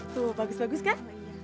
tuh bagus bagus kan